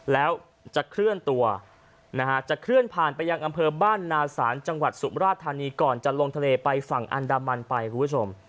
แล้วจะเคลื่อนตัวนะฮะจะเคลื่อนผ่านไปยังอำเภอบ้านนาศาลจังหวัดสุมราชธานีก่อนจะลงทะเลไปฝั่งอันดามันไปคุณผู้ชม